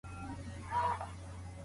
د بې ځایه سویو کسانو روغتیا څنګه ده؟